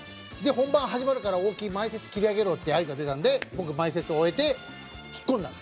本番始まるから大木前説切り上げろっていう合図が出たんで僕前説終えて引っ込んだんです。